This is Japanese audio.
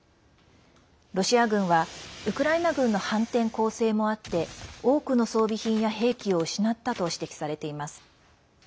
ロシア軍はウクライナ軍の反転攻勢もあって多くの装備品や兵器を失ったと指摘されています。